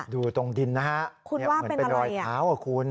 ดูตรงดินนะฮะเหมือนเป็นรอยเท้าคุณ